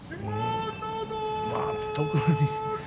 まあ特に。